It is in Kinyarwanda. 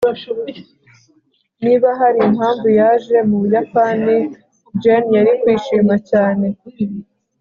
niba hari impamvu yaje mu buyapani, jane yari kwishima cyane